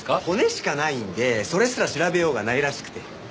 骨しかないんでそれすら調べようがないらしくて。